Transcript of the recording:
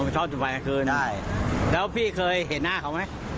ชอบจุดไฟกลางคืนใช่แล้วพี่เคยเห็นหน้าเขาไหม